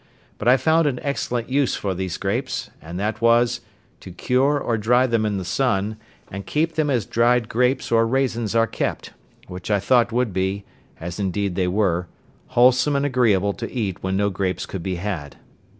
But I found an excellent use for these grapes; and that was, to cure or dry them in the sun, and keep them as dried grapes or raisins are kept, which I thought would be, as indeed they were, wholesome and agreeable to eat when no grapes could be had.